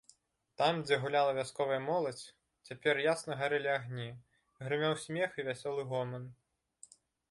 Там, дзе гуляла вясковая моладзь, цяпер ясна гарэлі агні, грымеў смех і вясёлы гоман.